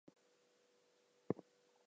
Geologically, it belongs to the flysch Alps.